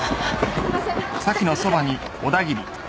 すいません。